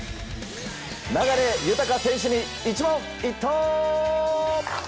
流大選手に一問一答！